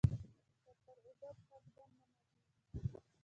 که پر اوبو پښه ږدم نه ماتیږي.